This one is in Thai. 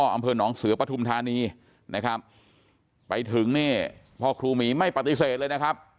อำเภอหนองเสือปฐุมธานีนะครับไปถึงนี่พ่อครูหมีไม่ปฏิเสธเลยนะครับ